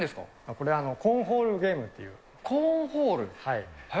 これ、コーンホールゲームっコーンホール？